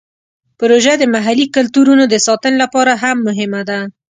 پروژه د محلي کلتورونو د ساتنې لپاره هم مهمه ده.